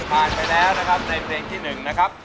ผ่านไปแล้วนะครับในเพลงที่๑นะครับ